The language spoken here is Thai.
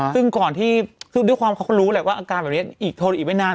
ซึ่งก่อนที่ด้วยความเขาก็รู้แหละว่าอาการแบบนี้อีกโทรอีกไม่นาน